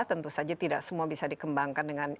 tentu saja tidak semua bisa dikembangkan pada saat yang sama